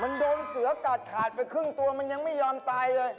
มันโดนเสือกัดขาดไปครึ่งตัวมันยังไม่ยอมตายเลย